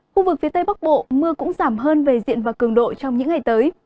khu vực phía tây bắc bộ mưa cũng giảm hơn về diện và cường độ trong những ngày tới